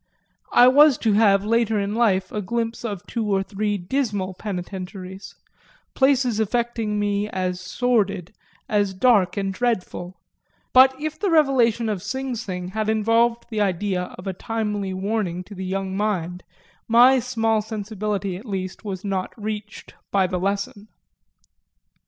I was to have later in life a glimpse of two or three dismal penitentiaries, places affecting me as sordid, as dark and dreadful; but if the revelation of Sing Sing had involved the idea of a timely warning to the young mind my small sensibility at least was not reached by the lesson.